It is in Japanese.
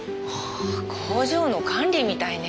あ工場の管理みたいね。